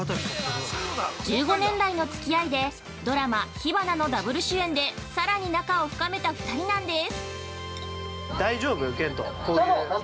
◆１５年来のつき合いでドラマ「火花」のダブル主演でさらに仲を深めた２人なんです。